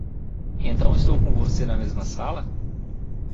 Então estou com você na mesma sala?